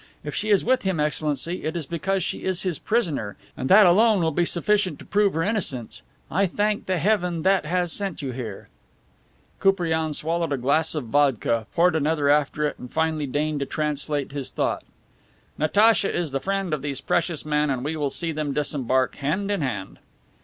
If she is with him, Excellency, it is because she is his prisoner, and that alone will be sufficient to prove her innocence. I thank the Heaven that has sent you here." Koupriane swallowed a glass of vodka, poured another after it, and finally deigned to translate his thought: "Natacha is the friend of these precious men and we will see them disembark hand in hand."